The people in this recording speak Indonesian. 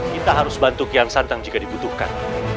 kita harus bantu kian santang jika dibutuhkan